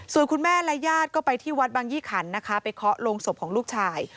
ส่วนคุณแม่และญาติก็ไปที่วัดบางยี่ขันนะคะไปเคาะลงศพของลูกชาย